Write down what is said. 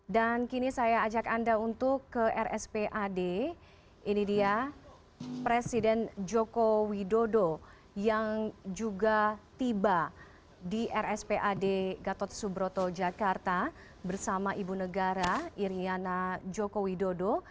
dan kini saya ajak anda untuk ke rspad ini dia presiden joko widodo yang juga tiba di rspad gatot subroto jakarta bersama ibu negara iryana joko widodo